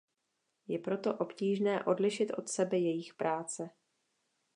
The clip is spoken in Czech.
Je proto obtížné odlišit od sebe jejich práce.